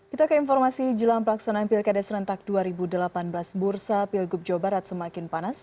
itu keinformasi jelang pelaksanaan pilkades rentak dua ribu delapan belas bursa pilgub jawa barat semakin panas